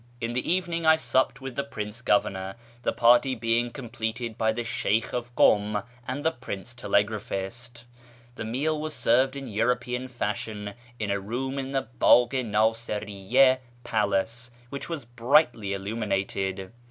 In the evening I supped with the Prince Governor, the party being completed by the Sheykh of Kum and the I'rince Telegraphist. The meal was served in European fasliion in a room in the Bagh i Nasiriyya palace, which was brilliantly illuminated.